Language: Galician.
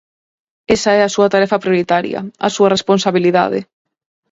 Esa é a súa tarefa prioritaria, a súa responsabilidade.